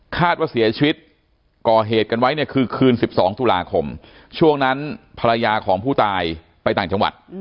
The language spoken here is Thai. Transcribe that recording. ว่าเสียชีวิตก่อเหตุกันไว้เนี่ยคือคืน๑๒ตุลาคมช่วงนั้นภรรยาของผู้ตายไปต่างจังหวัด